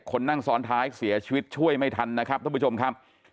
คนนั่งซ้อนท้ายเสียชีวิตช่วยไม่ทันนะครับท่านผู้ชมครับ